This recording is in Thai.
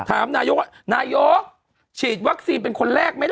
ถามนายกว่านายกฉีดวัคซีนเป็นคนแรกไหมล่ะ